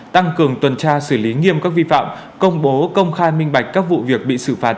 tăng cường tuần tra xử lý nghiêm các vi phạm công bố công khai minh bạch các vụ việc bị xử phạt